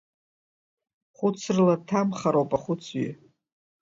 Хәыцрала дҭамхароуп ахәыцҩы.